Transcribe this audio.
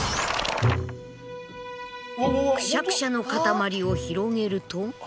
くしゃくしゃの塊を広げると。